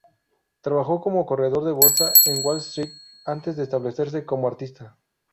Trabajó como corredor de bolsa en Wall Street antes de establecerse como artista.